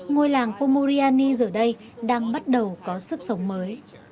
ngôi làng pomoriani giờ đây đang bắt đầu có sức sống mới